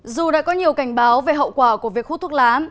dù đã có nhiều cảnh báo về hậu quả của việc hút thuốc lá